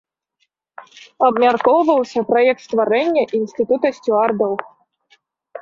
Абмяркоўваўся праект стварэння інстытута сцюардаў.